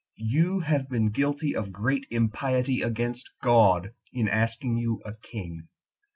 You have been guilty of great impiety against God, in asking you a king.